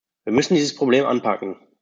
Wir müssen dieses Problem anpacken.